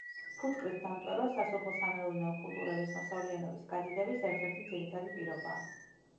ფუტკრით დამტვერვა სასოფლო-სამეურნეო კულტურების მოსავლიანობის გადიდების ერთ-ერთი ძირითადი პირობაა.